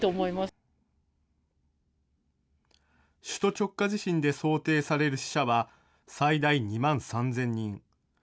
首都直下地震で想定される死者は、最大２万３０００人。